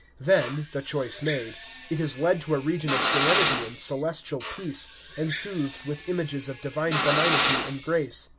Then, the choice made, it is led to a region of serenity and celestial peace, and soothed with images of divine benignity and grace.